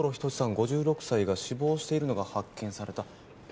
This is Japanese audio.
５６歳が死亡しているのが発見された」